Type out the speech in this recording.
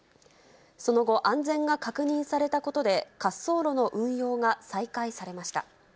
その後、安全が確認されたことで、滑走路の運用が再開されました。